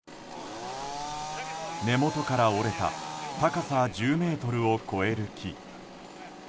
根元から折れた高さ１０ｍを超える木。